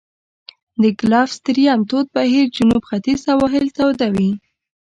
د ګلف ستریم تود بهیر جنوب ختیځ سواحل توده وي.